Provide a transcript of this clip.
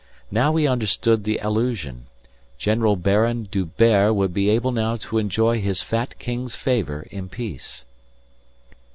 Now he understood the allusion. General Baron D'Hubert would be able now to enjoy his fat king's favour in peace.